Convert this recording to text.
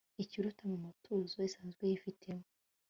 ikiturira m'umutuzo isanzwe yifitemo